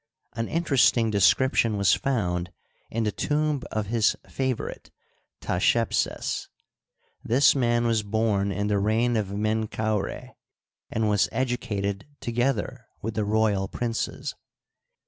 An interesting description was found in the tomb of his favorite, Ptahshepses, This man was bom in the reign of Menkaura, and was educated together with the royal princes.